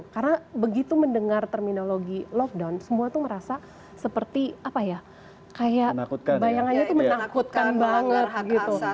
karena begitu mendengar terminologi lockdown semua itu merasa seperti apa ya kayak bayangannya itu menakutkan banget gitu